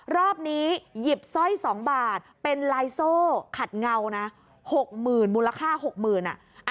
รอบนี้หยิบซ่อยสองบาทเป็นลายโซ่ขัดเงานะหกหมื่นมูลค่าหกหมื่นอ่ะ